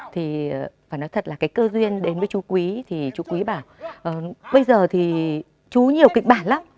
thì phải nói thật là cái cơ duyên đến với chú quý thì chú quý bảo bây giờ thì chú nhiều kịch bản lắm